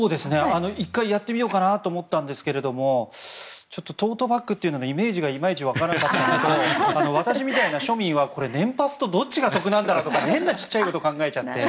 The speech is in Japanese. １回やってみようかと思ったんですがちょっとトートバッグというのがイメージがいまいち沸かなかったのと私みたいな庶民はこれ年パスとどっちが得なんだろうとか変なちっちゃいことを考えちゃって。